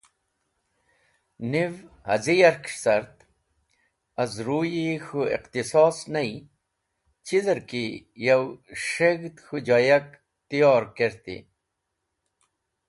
Niv az̃i yarkes̃h cart, az ruy-e k̃hũ iqtisos ney, chizer ki yow s̃heg̃h (k̃hũ joyak) tiyor kerti.